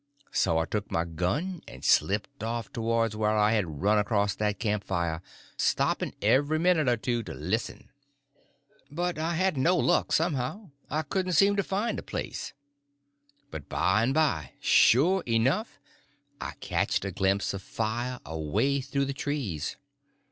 So I took my gun and slipped off towards where I had run across that camp fire, stopping every minute or two to listen. But I hadn't no luck somehow; I couldn't seem to find the place. But by and by, sure enough, I catched a glimpse of fire away through the trees.